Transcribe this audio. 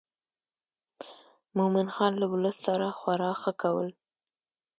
مومن خان له ولس سره خورا ښه کول.